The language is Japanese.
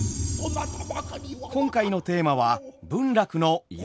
今回のテーマは文楽の「色男」。